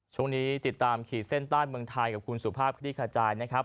ช่วงนี้ติดตามขีดเส้นใต้เมืองไทยกับคุณสุภาพคลี่ขจายนะครับ